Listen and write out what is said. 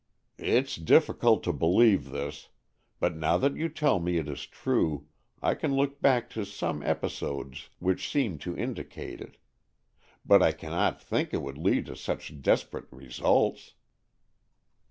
"It's difficult to believe this, but now that you tell me it is true, I can look back to some episodes which seem to indicate it. But I cannot think it would lead to such desperate results."